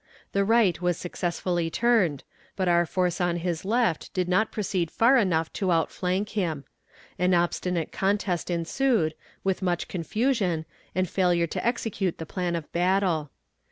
The right was successfully turned, but our force on his left did not proceed far enough to outflank him. An obstinate contest ensued, with much confusion, and failure to execute the plan of battle.